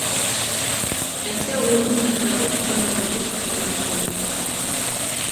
Әсә улының әхлағы хаҡында ла күп ҡайғыртты.